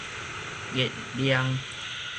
月亮